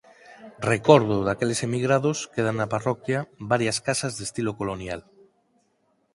Recordo daqueles emigrados quedan na parroquia varias casas de estilo colonial.